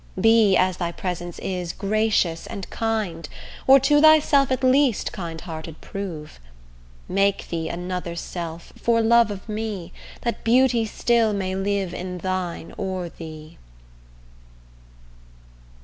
Be, as thy presence is, gracious and kind, Or to thyself at least kind hearted prove: Make thee another self for love of me, That beauty still may live in thine or thee.